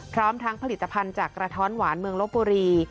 พร้อมทั้งผลิตภัณฑ์จากกระท้อนหวานเมืองลบบุรี